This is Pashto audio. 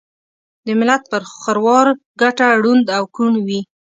دملت پر خروار ګټه ړوند او کوڼ وي